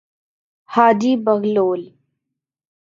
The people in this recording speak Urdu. حاجی بغلول